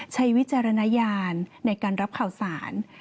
วิจารณญาณในการรับข่าวสาร